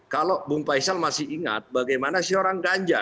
kalau bung faisal masih ingat bagaimana si orang ganja